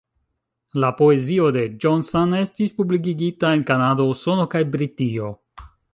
La poezio de Johnson estis publikigita en Kanado, Usono kaj Britio.